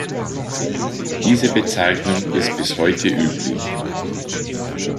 Diese Bezeichnung ist bis heute üblich.